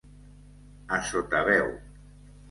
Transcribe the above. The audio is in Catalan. A sota veu.